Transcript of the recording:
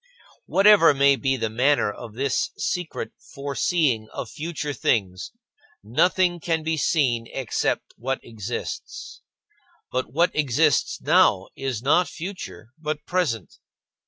24. Whatever may be the manner of this secret foreseeing of future things, nothing can be seen except what exists. But what exists now is not future, but present.